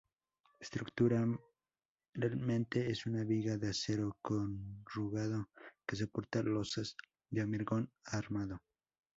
Estructuralmente es una viga de acero corrugado que soporta losas de hormigón armado.